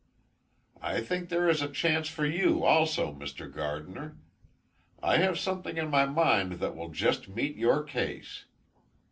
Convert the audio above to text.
I think there is a chance for you, also, Mr. Gardiner. I have something in my mind that will just meet your case.